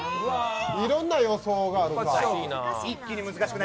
いろんな予想があるな。